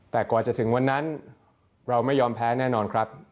แต่กว่าจะถึงวันนั้นเราไม่ยอมแพ้แน่นอนครับ